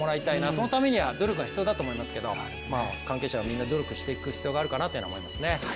そのためには努力が必要だと思いますけれども関係者がみんな努力していく必要があるかなと思いますね。